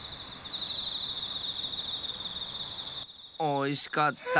おいしかった！